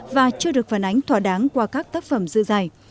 và chưa được phản ánh thỏa đáng qua các tác phẩm dự dạy